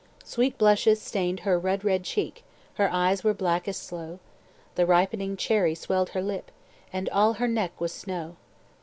"Sweet blushes stayned her rud red cheek, Her eyen were black as sloe, The ripening cherrye swelled her lippe, And all her neck was snow.